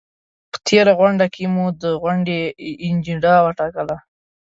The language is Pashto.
په تېره غونډه کې مو د غونډې اجنډا وټاکله؟